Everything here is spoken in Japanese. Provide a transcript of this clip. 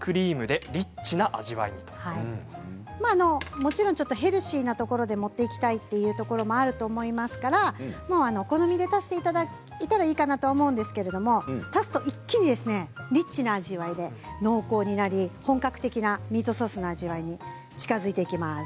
もちろんヘルシーなところで持っていきたいというところもあると思いますからお好みで足していただいたらいいかなと思うんですけれど足すと一気にリッチな味わいで濃厚になり本格的なミートソースの味わいに近づいていきます。